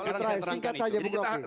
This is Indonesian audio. sekarang saya singkat saja bu gopi